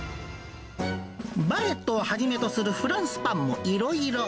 バゲットをはじめとするフランスパンもいろいろ。